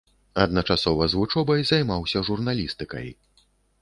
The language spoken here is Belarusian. Адначасова з вучобай займаўся журналістыкай.